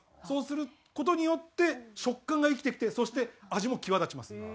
そうする事によって食感が生きてきてそして味も際立ちます。